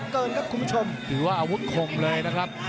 ถือว่าอาวุธข่มเลยนะครับ